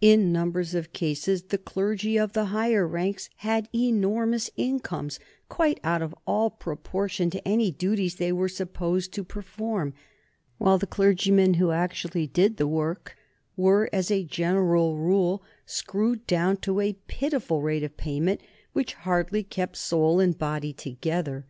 In numbers of cases the clergy of the higher ranks had enormous incomes, quite out of all proportion to any duties they were even supposed to perform, while the clergymen who actually did the work were, as a general rule, screwed down to a pitiful rate of payment which hardly kept soul and body together.